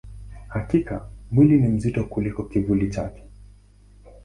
Hakika, mwili ni mzito kuliko kivuli chake.